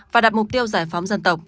và đặt mục tiêu giải phóng dân tộc